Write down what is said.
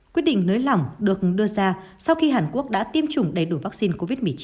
quyết định nới lỏng được đưa ra sau khi hàn quốc đã tiêm chủng đầy đủ vaccine covid một mươi chín